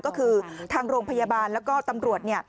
ก็คือทางโรงพยาบาลแล้วก็ตำรวจ